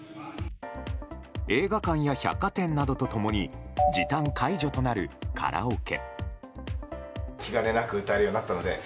映画館や百貨店などと共に時短解除となるカラオケ。